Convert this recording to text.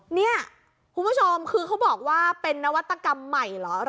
เนี่ยคุณผู้ชมคือเขาบอกว่าเป็นนวัตกรรมใหม่เหรอ